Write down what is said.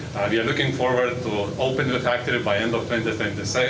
kami menantikan untuk membuka faktor pada akhir dua ribu dua puluh dua